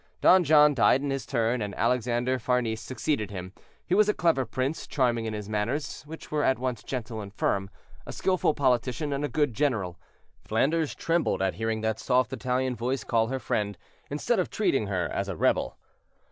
Don John died in his turn, and Alexander Farnese succeeded him. He was a clever prince, charming in his manners, which were at once gentle and firm; a skillful politician, and a good general. Flanders trembled at hearing that soft Italian voice call her friend, instead of treating her as a rebel.